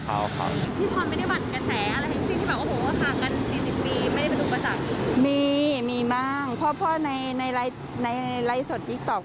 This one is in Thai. อยากให้ยืนยังความรักหน่อยว่าเป็นเรื่องจริงกับทุกคน